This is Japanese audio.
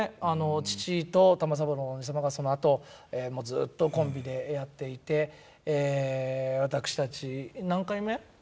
父と玉三郎のおじ様がそのあとずっとコンビでやっていて私たち何回目？